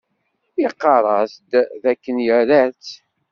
Iqarr-as-d dakken ira-tt.